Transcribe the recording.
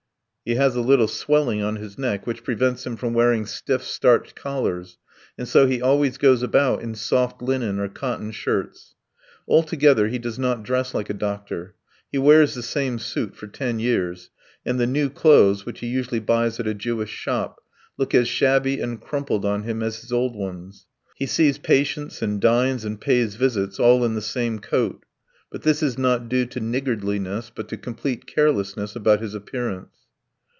He has a little swelling on his neck which prevents him from wearing stiff starched collars, and so he always goes about in soft linen or cotton shirts. Altogether he does not dress like a doctor. He wears the same suit for ten years, and the new clothes, which he usually buys at a Jewish shop, look as shabby and crumpled on him as his old ones; he sees patients and dines and pays visits all in the same coat; but this is not due to niggardliness, but to complete carelessness about his appearance.